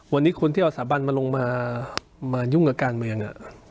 วันนี้คนที่เอาสถาบันมาลงมายุ่งกับการเมือง